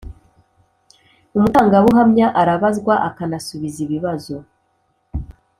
umutangabuhamya arabazwa akanasubiza ibibazo